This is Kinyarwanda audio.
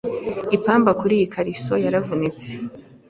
Ipamba kuriyi kariso yaravunitse.